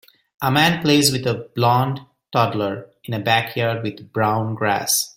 A man plays with a blond toddler in a backyard with brown grass.